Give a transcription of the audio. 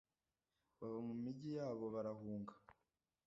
bava mu migi yabo barahunga